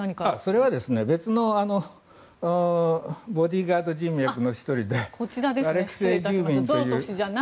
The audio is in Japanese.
それは別のボディーガード人脈の１人でアレクセイ・デューミンという。